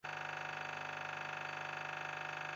Entrenamendu eta diziplina kontua da.